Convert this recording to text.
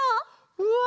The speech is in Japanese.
うわ！